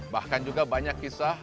bahkan juga banyak kisah